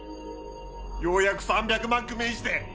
ようやく３００万工面して。